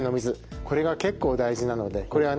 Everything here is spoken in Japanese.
これが結構大事なのでこれはね